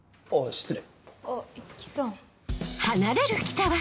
失礼。